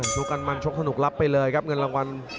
ชกกันมันชกสนุกรับไปเลยครับเงินรางวัล